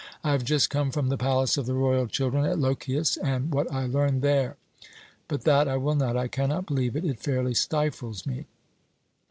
I have just come from the palace of the royal children at Lochias, and what I learned there. But that I will not, I cannot believe it. It fairly stifles me!"